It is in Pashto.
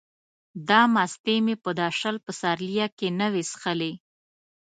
دا مستې مې په دا شل پسرلیه کې نه وې څښلې.